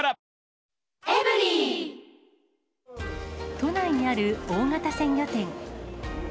都内にある大型鮮魚店。